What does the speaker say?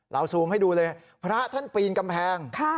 ซูมให้ดูเลยพระท่านปีนกำแพง